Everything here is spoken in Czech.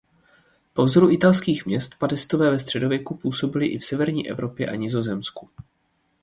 Po vzoru italských měst padestové ve středověku působili i v severní Evropě a Nizozemsku.